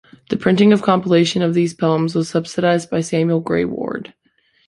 The printing of a compilation of these poems was subsidized by Samuel Gray Ward.